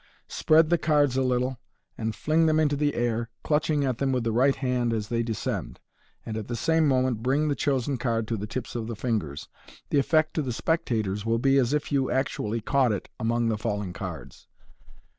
Spread the cards a little, and fling them into the air, clutching at them with the right hand as they descend, and at the same moment bring the chosen card to the tips of the fingers. The effect to the spectators will be as if you actually caught it among the falling cards.